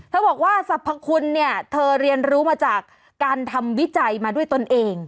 บอกว่าสรรพคุณเนี่ยเธอเรียนรู้มาจากการทำวิจัยมาด้วยตนเอง